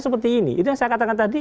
seperti ini itu yang saya katakan tadi